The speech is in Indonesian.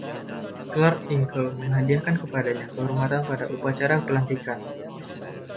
Clarke Hinkle menghadiahkan kepadanya kehormatan pada upacara pelantikan.